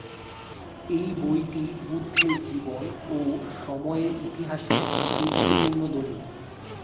এই বইটি বুদ্ধের জীবন ও সময়ের ইতিহাসে একটি গুরুত্বপূর্ণ দলিল।